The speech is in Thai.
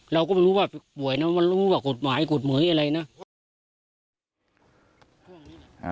เราก็ไม่รู้ว่าไปป่วยนะมันรู้ว่ากฎหมายกฎหมายอะไรนะ